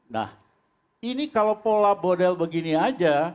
nah ini kalau pola bodel begini aja